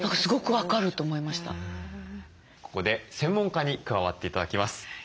ここで専門家に加わって頂きます。